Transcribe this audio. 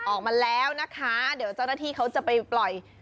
ออกมาแล้วนะคะเดี๋ยวเจ้าหน้าที่เขาจะไปปล่อย